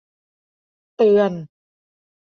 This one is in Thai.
เตือน !